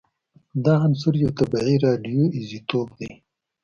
دا عنصر یو طبیعي راډیو ایزوتوپ دی